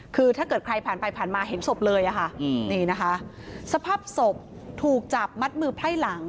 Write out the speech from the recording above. คือถ้าเกิดใครผ่านไปผ่านมาเห็นศพเลยอะค่ะนี่นะคะสภาพศพถูกจับมัดมือไพร่หลัง